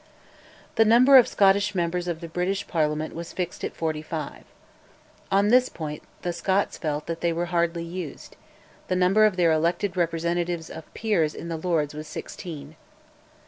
The number of Scottish members of the British Parliament was fixed at forty five. On this point the Scots felt that they were hardly used; the number of their elected representatives of peers in the Lords was sixteen.